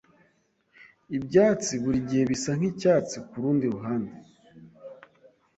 Ibyatsi burigihe bisa nkicyatsi kurundi ruhande.